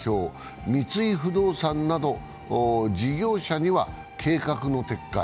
三井不動産など、事業者には計画の撤回。